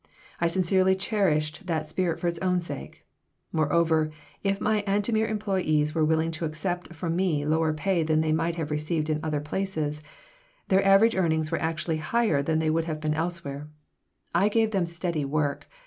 I sincerely cherished that spirit for its own sake. Moreover, if my Antomir employees were willing to accept from me lower pay than they might have received in other places, their average earnings were actually higher than they would have been elsewhere. I gave them steady work.